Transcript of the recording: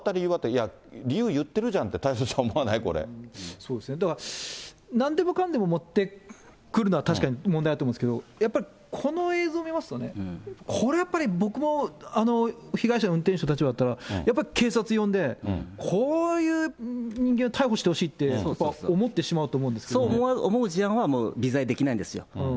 いや、理由言ってるじゃんって、そうですね、だから、なんでもかんでも持ってくるのは確かに問題だと思うんですけど、やっぱりこの映像見ますとね、これはやっぱり、僕も被害者の運転手の立場だったら、やっぱり警察呼んで、こういう人間を逮捕してほしいって思ってしまうと思うんですけどそう思う事案は微罪できない